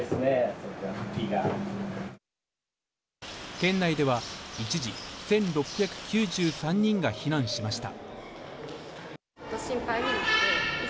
県内では一時１６９３人が避難しました。